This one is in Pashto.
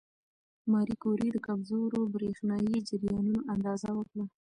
ماري کوري د کمزورو برېښنايي جریانونو اندازه وکړه.